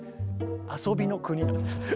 遊びの国なんです。